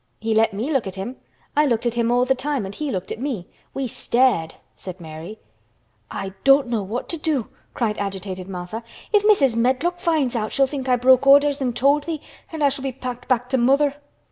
"He let me look at him. I looked at him all the time and he looked at me. We stared!" said Mary. "I don't know what to do!" cried agitated Martha. "If Mrs. Medlock finds out, she'll think I broke orders and told thee and I shall be packed back to mother."